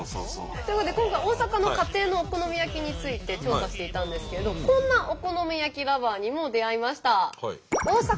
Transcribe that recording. ということで今回大阪の家庭のお好み焼きについて調査していたんですけどこんなお好み焼きＬｏｖｅｒにも出会いました。